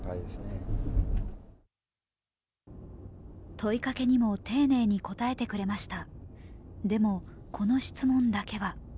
問いかけにも丁寧に答えてくれました。